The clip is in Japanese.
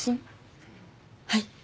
はい？